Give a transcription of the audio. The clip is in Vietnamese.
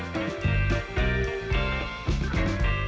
hẹn gặp lại